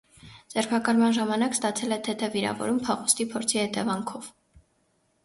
Ձերբակալման ժամանակ ստացել է թեթև վիրավորում՝ փախուստի փորձի հետևանքով։